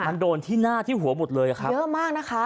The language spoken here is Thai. มันโดนที่หน้าที่หัวหมดเลยอะครับเยอะมากนะคะ